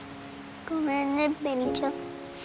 ごめんね紅ちゃん。